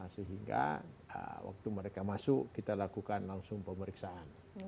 sehingga waktu mereka masuk kita lakukan langsung pemeriksaan